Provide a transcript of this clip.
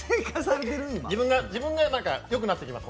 自分がよくなってきます